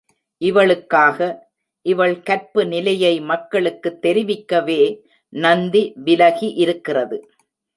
இவளுக்காக, இவள் கற்பு நிலையை மக்களுக்குத் தெரிவிக்கவே, நந்தி விலகி இருக்கிறது.